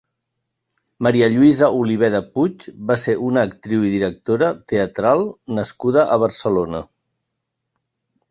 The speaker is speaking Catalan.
Maria Lluïsa Oliveda Puig va ser una actriu i directora teatral nascuda a Barcelona.